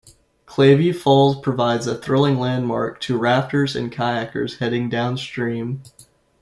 Clavey Falls provides a thrilling landmark to rafters and kayakers heading downstream.